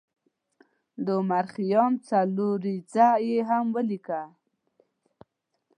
د عمر خیام څلوریځه یې هم ولیکله.